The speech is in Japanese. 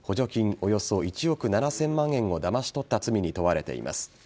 およそ１億７０００万円をだまし取った罪に問われています。